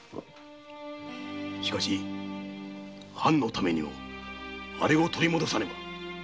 しかし藩のためにあれを取り戻さねば！